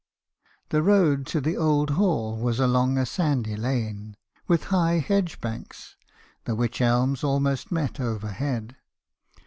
"The road to the old hall was along a sandy lane, with high hedge banks ; the wych elms almost met over head.